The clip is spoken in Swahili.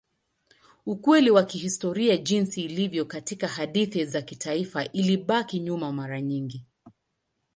Ukweli wa kihistoria jinsi ilivyo katika hadithi za kitaifa ilibaki nyuma mara nyingi.